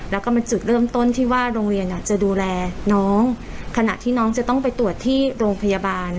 แล้วก็เป็นจุดเริ่มต้นที่ว่าโรงเรียนจะดูแลน้องขณะที่น้องจะต้องไปตรวจที่โรงพยาบาล